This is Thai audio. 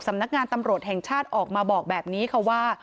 สำนักงานตำรวจแห่งชาติออกมาบอกแบบนี้ค่ะว่า